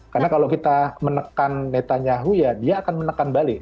karena kalau kita menekan netanyahu ya dia akan menekan balik